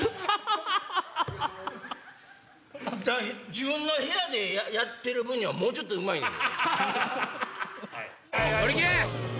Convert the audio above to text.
自分の部屋でやってる分にはもうちょっとうまいんよ？